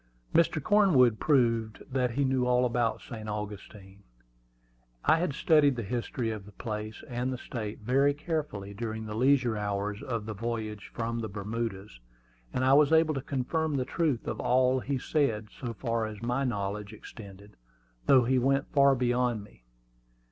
Mr. Cornwood proved that he knew all about St. Augustine. I had studied the history of the place and the state very carefully during the leisure hours of the voyage from the Bermudas, and I was able to confirm the truth of all he said, so far as my knowledge extended, though he went far beyond me.